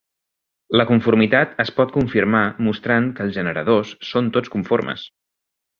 La conformitat es pot confirmar mostrant que els generadors són tots conformes.